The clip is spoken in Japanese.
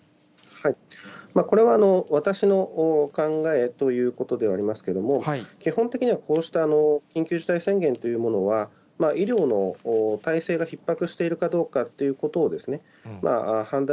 これは私の考えということではありますけれども、基本的にはこうした緊急事態宣言というものは、医療の体制がひっ迫しているかどうかっていうことを判断